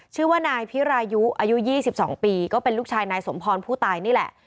ชื่อว่านายพิรายุอายุ๒๒ปีก็เป็นลูกชายนายสมพรผู้ตายนี่แหละ